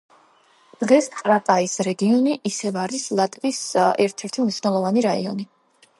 დღეს ტრაკაის რეგიონი ისევ არის ლიტვის ერთ-ერთი მნიშვნელოვანი რაიონი.